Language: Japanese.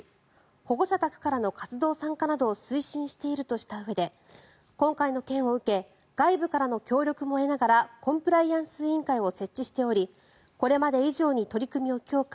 保護者宅からの活動参加などを推進しているとしたうえで今回の件を受け外部からの協力も得ながらコンプライアンス委員会を設置しておりこれまで以上に取り組みを強化